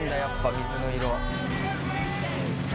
水の色。